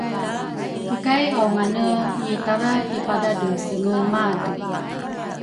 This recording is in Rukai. kikay aungane itara kipadradresenge madu.